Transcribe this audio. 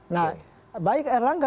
nah baik erlangga